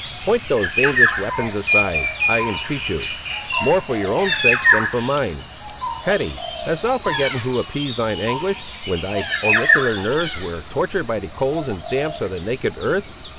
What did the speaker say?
Point those dangerous weapons aside, I entreat of you; more for your own sakes, than for mine. Hetty, hast thou forgotten who appeased thine anguish when thy auricular nerves were tortured by the colds and damps of the naked earth!